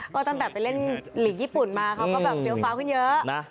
ก็ตั้งแต่ไปเล่นหลีกญี่ปุ่นมาเขาก็แบบเฟี้ยวฟ้าขึ้นเยอะ